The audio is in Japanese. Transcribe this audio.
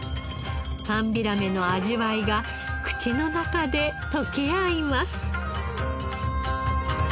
寒ビラメの味わいが口の中で溶け合います。